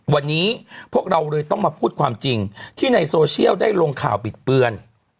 วันนี้พวกเราเลยต้องมาพูดความจริงที่ในโซเชียลได้ลงข่าวบิดเบือน